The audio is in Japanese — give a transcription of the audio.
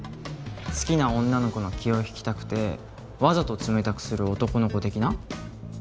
好きな女の子の気を引きたくてわざと冷たくする男の子的な？